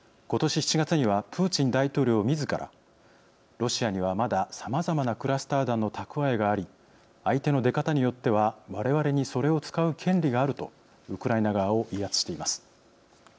ロシアにはまださまざまなクラスター弾の蓄えがあり相手の出方によっては我々にそれを使う権利があるとウクライナ側を威圧しています。